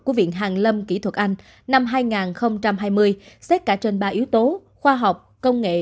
của viện hàn lâm kỹ thuật anh năm hai nghìn hai mươi xét cả trên ba yếu tố khoa học công nghệ